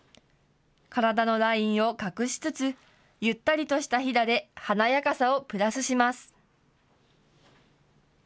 体のラインを隠しつつゆったりとしたひだで華やかさをプラスします。